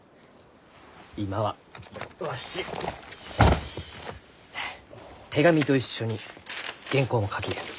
今はわし手紙と一緒に原稿も書きゆう。